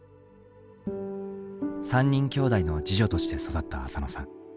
３人きょうだいの次女として育ったあさのさん。